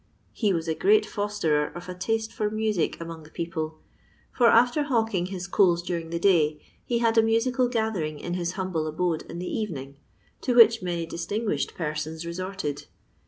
He was a great fosterer of a taite for music among the people; for, after hawking his coals during the day, he had a musical gathe^ ing in his humble abode in the evening, to which many distinguished persons resorted.